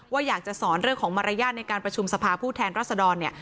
อยากจะสอนเรื่องของมารยาทในการประชุมสภาผู้แทนรัศดรเนี่ย